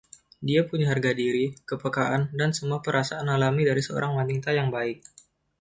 Dia punya harga diri, kepekaan, dan semua perasaan alami dari seorang wanita yang baik.